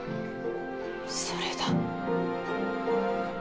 それだ。